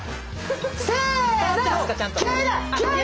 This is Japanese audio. せの！